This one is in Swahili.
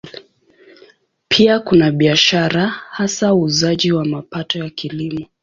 Pia kuna biashara, hasa uuzaji wa mapato ya Kilimo.